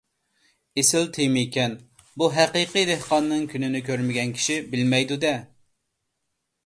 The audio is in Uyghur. ئېسىل تېمىكەن! بۇ ھەقىقىي دېھقاننىڭ كۈنىنى كۆرمىگەن كىشى بىلمەيدۇ-دە.